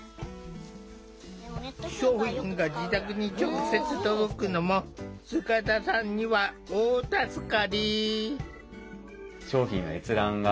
商品が自宅に直接届くのも塚田さんには大助かり。